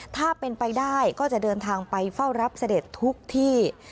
ถ้าเป็นไปได้ก็จะเดินทางไปเฝ้ารับเสด็จทุกที่